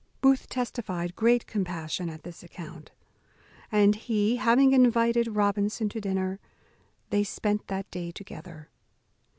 Booth testified great compassion at this account; and, he having invited Robinson to dinner, they spent that day together.